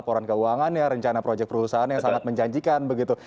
laporan keuangannya rencana proyek perusahaan yang sangat menjanjikan begitu